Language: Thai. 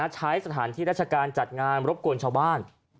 ใช้สถานที่ราชการจัดงานรบกวนชาวบ้าน